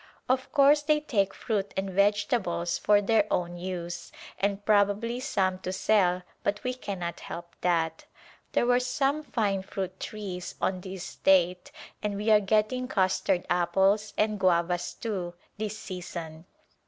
Of course they take fruit and vegetables for their own use and probably some to sell but we cannot help that. There were some fine fruit trees on the estate and we are getting custard apples, and guavas, too, this season.